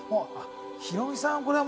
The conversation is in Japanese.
ヒロミさん、これは。